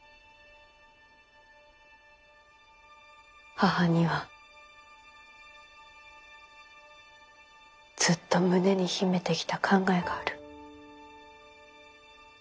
母にはずっと胸に秘めてきた考えがある。